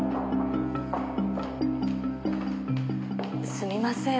すみません